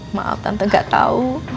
maap tante nggak tahu